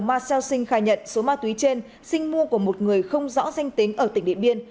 ma xeo sinh khai nhận số ma túy trên sinh mua của một người không rõ danh tính ở tỉnh điện biên